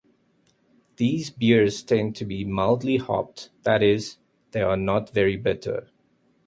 These beers tend to be mildly hopped; that is, they are not very bitter.